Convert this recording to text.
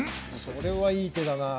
それはいい手だなあ